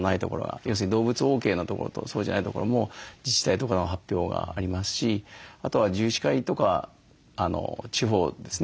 要するに動物ＯＫなところとそうじゃないところも自治体とかの発表がありますしあとは獣医師会とか地方ですね